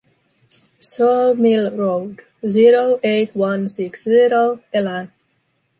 Sawmill road, zero-eight-one-six-zero, Élan.